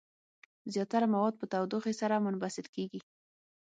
زیاتره مواد په تودوخې سره منبسط کیږي.